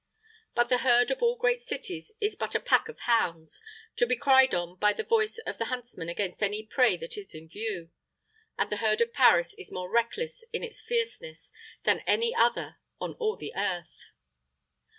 But the herd of all great cities is but as a pack of hounds, to be cried on by the voice of the huntsman against any prey that is in view; and the herd of Paris is more reckless in its fierceness than any other on all the earth.